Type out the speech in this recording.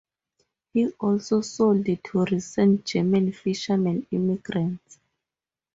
He also sold to recent German fishermen immigrants.